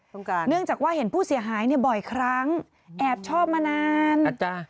เนื่องจากว่าเห็นผู้เสียหายเนี่ยบ่อยครั้งแอบชอบมานาน